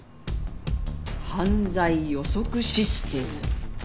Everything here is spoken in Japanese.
「犯罪予測システム」。